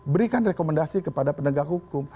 berikan rekomendasi kepada penegak hukum